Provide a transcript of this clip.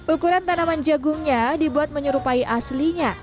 ukuran tanaman jagungnya dibuat menyerupai aslinya